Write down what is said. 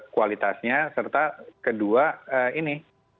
kualitasnya serta kedua ini